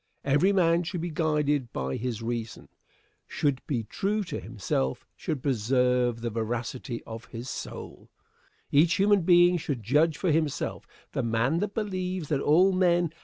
Every man should be guided by his reason; should be true to himself; should preserve the veracity of his soul. Each human being should judge for himself. The man that believes that all men have this right is intellectually hospitable.